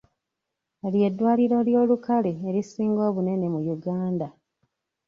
Ly'eddwaliro ly'olukale erisinga obunene mu Uganda